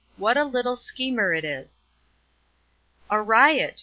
"WHAT A LITTLE SCHEMER IT IS." A riot!